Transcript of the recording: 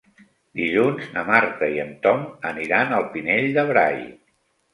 Dilluns na Marta i en Tom aniran al Pinell de Brai.